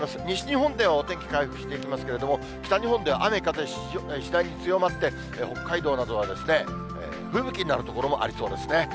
西日本ではお天気回復していきますけれども、北日本では雨、風、次第に強まって、北海道などは吹雪になる所もありそうですね。